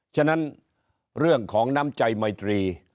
ฉะนั้นเรื่องของน้ำใจไมตรี